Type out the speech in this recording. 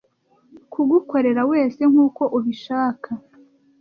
Kugukorera wese nkuko ubishaka